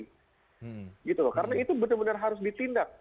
gitu loh karena itu benar benar harus ditindak